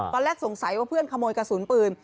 ตอนแรกสงสัยว่าเพื่อนขโมยกระสุนปืน